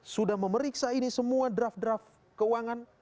sudah memeriksa ini semua draft draft keuangan